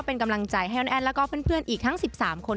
เป็นกำลังใจให้อ้อนแอดแล้วก็เพื่อนอีกทั้งสิบสามคน